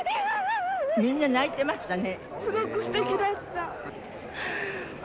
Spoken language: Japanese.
みんな泣いてましたね。